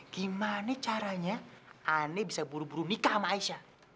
gimana caranya aneh bisa buru buru nikah sama aisyah